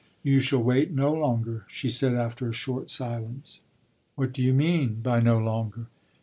"You shall wait no longer," she said after a short silence. "What do you mean by no longer?"